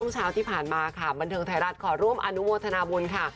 เช้าที่ผ่านมาค่ะบันเทิงไทยรัฐขอร่วมอนุโมทนาบุญค่ะ